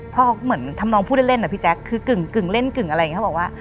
พ่อคิดว่า